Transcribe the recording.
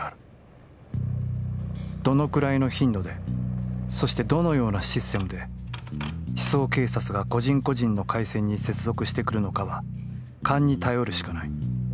どのくらいの頻度で、そしてどのようなシステムで思想警察が個人個人の回線に接続してくるのかは、勘に頼るしかない。